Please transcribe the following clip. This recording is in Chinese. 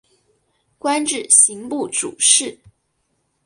官至刑部主事。